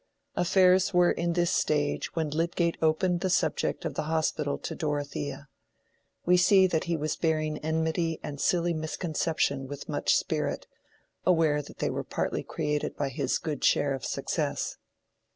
Affairs were in this stage when Lydgate opened the subject of the Hospital to Dorothea. We see that he was bearing enmity and silly misconception with much spirit, aware that they were partly created by his good share of success.